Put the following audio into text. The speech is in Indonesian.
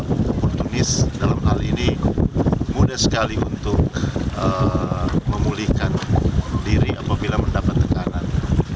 untuk kondis dalam hal ini mudah sekali untuk memulihkan diri apabila mendapatkan karang